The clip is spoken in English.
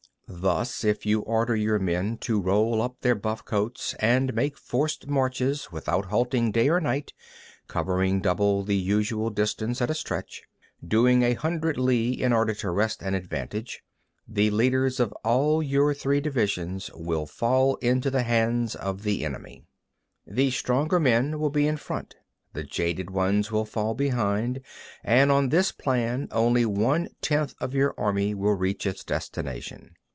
7. Thus, if you order your men to roll up their buff coats, and make forced marches without halting day or night, covering double the usual distance at a stretch, doing a hundred li in order to wrest an advantage, the leaders of all your three divisions will fall into the hands of the enemy. 8. The stronger men will be in front, the jaded ones will fall behind, and on this plan only one tenth of your army will reach its destination.